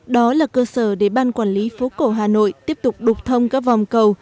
đó là cơ sở để ban quản lý phố cổ hà nội tiếp tục đục thông các vòng cầu